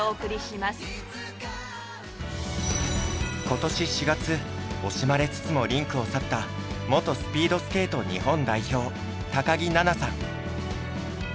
今年４月惜しまれつつもリンクを去った元スピードスケート日本代表木菜那さん。